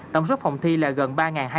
tổng số phòng thi là gần ba hai trăm linh